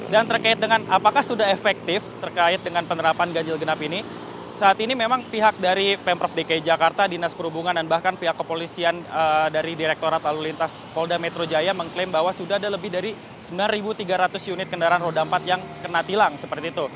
dan terkait dengan apakah sudah efektif terkait dengan penerapan ganjil kenap ini saat ini memang pihak dari pemprov dki jakarta dinas perhubungan dan bahkan pihak kepolisian dari direkturat lalu lintas polda metro jaya mengklaim bahwa sudah ada lebih dari sembilan tiga ratus unit kendaraan roda empat yang kena tilang seperti itu